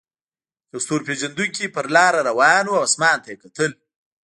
یو ستور پیژندونکی په لاره روان و او اسمان ته یې کتل.